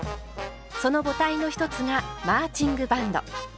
その母体の一つがマーチングバンド。